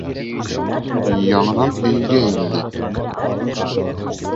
Яңынан өйгә инде.